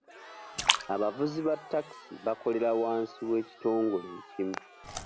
Abavuzi ba taxi bakolera wansi w'ekitongole ekimu.